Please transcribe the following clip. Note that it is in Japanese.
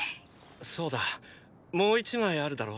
そうだもう１枚あるだろ？